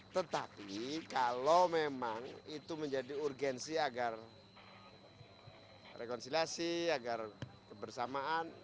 tetapi kalau memang itu menjadi urgensi agar rekonsiliasi agar kebersamaan